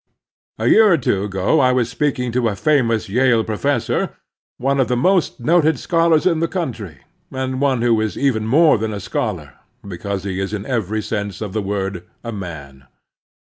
A YEAR or two ago I was speaking to a famous Yale professor, one of the most noted scholars in the country, and one who is even more than a scholar, because he is in every sense of the word a man.